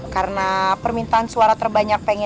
karena permintaan suara terbanyak itu tuh yaudah